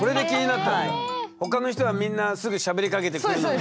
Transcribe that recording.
他の人はみんなすぐしゃべりかけてくれるのに。